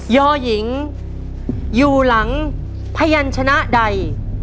อหญิงอยู่หลังพยันชนะใด